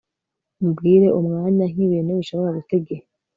mubwire umwanya nkibintu bishobora guta igihe